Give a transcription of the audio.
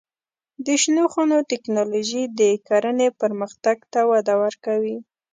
د شنو خونو تکنالوژي د کرنې پرمختګ ته وده ورکوي.